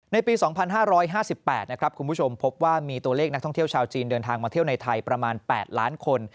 ในปี๒๕๕๘นะครับคุณผู้ชมพบว่ามีตัวเลขนักท่องเที่ยวชาวจีนเดินทางมาเที่ยวในไทยประมาณ๘ล้านคน